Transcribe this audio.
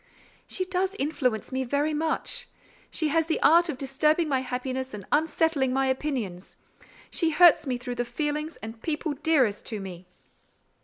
"She does influence me very much. She has the art of disturbing my happiness and unsettling my opinions. She hurts me through the feelings and people dearest to me."